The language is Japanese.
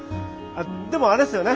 でもあれっすよね